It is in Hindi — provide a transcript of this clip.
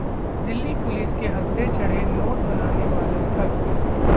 दिल्ली पुलिस के हत्थे चढ़े नोट बनाने वाले ठग